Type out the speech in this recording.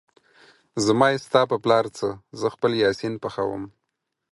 زما يې ستا په پلار څه ، زه خپل يا سين پخوم